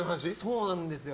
そうなんですよ。